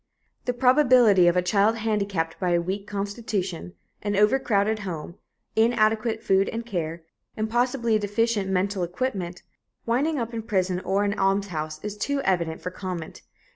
The probability of a child handicapped by a weak constitution, an overcrowded home, inadequate food and care, and possibly a deficient mental equipment, winding up in prison or an almshouse, is too evident for comment.